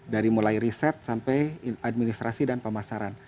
dari mulai riset sampai administrasi dan pemasaran